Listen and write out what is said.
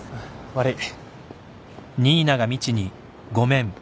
悪い。